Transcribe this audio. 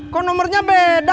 kok nomernya beda